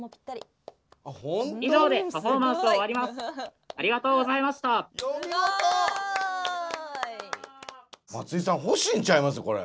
すごい！松井さん欲しいんちゃいますこれ？